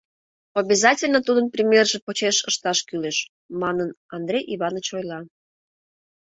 Обязательно тудын примерже почеш ышташ кӱлеш, манын Андрей Иваныч ойла.